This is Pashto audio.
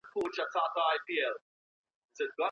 قلمي خط د زده کوونکي د ژوند کیسه ده.